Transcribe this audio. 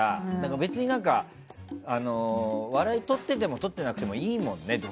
別に笑いをとっててもとってなくてもいいもんね。